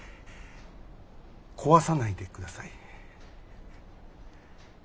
壊さないでください。